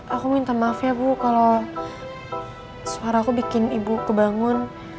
aku minta maaf ya bu kalau suara aku bikin ibu kebangun